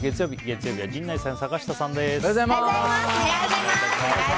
本日月曜日、月曜日は陣内さん、坂下さんです。